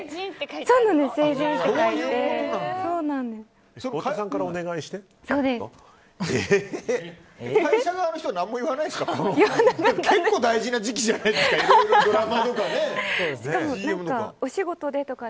結構大事な時期じゃないですか。